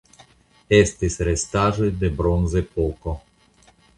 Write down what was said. Estis restaĵoj de Bronzepoko.